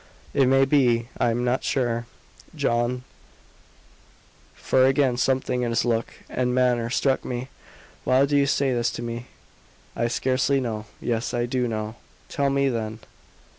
"It may be I am not sure. John," for again something in his look and manner struck me "why do you say this to me?" "I scarcely know. Yes, I do know." "Tell me, then."